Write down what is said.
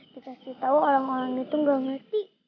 kita sih tahu orang orang itu nggak ngerti